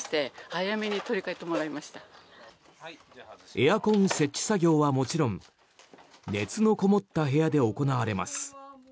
エアコン設置作業はもちろん熱のこもった部屋で行われます。